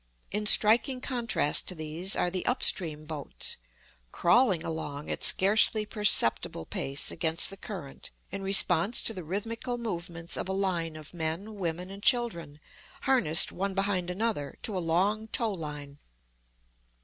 In striking contrast to these, are the up stream boats, crawling along at scarcely perceptible pace against the current, in response to the rhythmical movements of a line of men, women, and children harnessed one behind another to a long tow line.